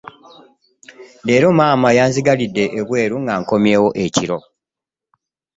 Leero maama yanzigalide ebweru nga nkomyewo ekiro.